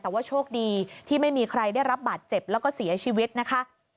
แต่ว่าโชคดีที่ไม่มีใครได้รับบาดเจ็บแล้วก็เสียชีวิตนะคะ